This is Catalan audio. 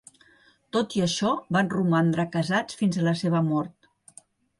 Tot i això, van romandre casats fins a la seva mort.